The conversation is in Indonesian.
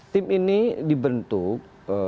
tim ini dibentuk